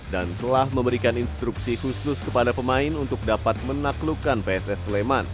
dan telah memberikan instruksi khusus kepada pemain untuk dapat menaklukkan pss sleman